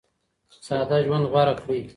ساده ژوند غوره کړئ.